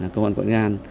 công an quân nga